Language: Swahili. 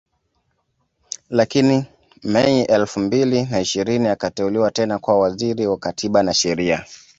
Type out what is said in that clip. Lakini Mei elfu mbili na ishirini akateuliwa tena kuwa Waziri Wa Katiba na Sheria